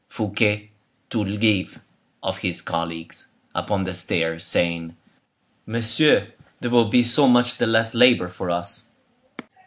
Fouquet took leave of his colleagues upon the stairs, saying:—"Messieurs! there will be so much the less labor for us."